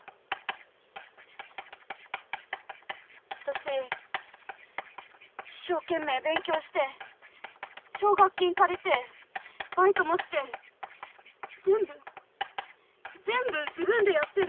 私一生懸命勉強して奨学金借りてバイトもして全部全部自分でやってる。